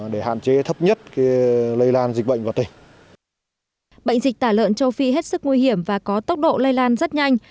bệnh dịch tả lợn châu phi hết sức nguy hiểm và có tốc độ lây lan rất nhanh